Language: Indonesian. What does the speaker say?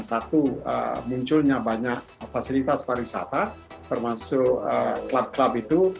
satu munculnya banyak fasilitas pariwisata termasuk klub klub itu